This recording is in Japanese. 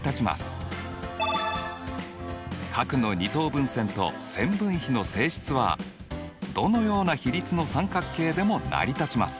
分線と線分比の性質はどのような比率の三角形でも成り立ちます。